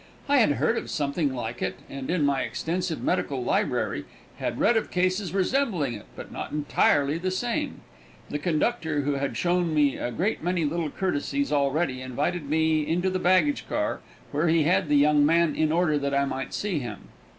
I had heard of something like it and in my extensive medical library had read of cases resembling it, but not entirely the same. The conductor, who had shown me a great many little courtesies already, invited me into the baggage car, where he had the young man, in order that I might see him.